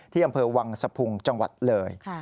อำเภอวังสะพุงจังหวัดเลย